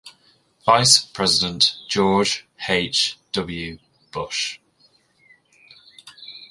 Vice-President George H. W. Bush.